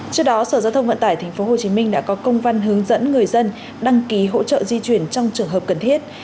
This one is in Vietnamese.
trước đó sở giao thông vận tải tp hcm đã có công văn hướng dẫn người dân đăng ký hỗ trợ di chuyển trong trường hợp cần thiết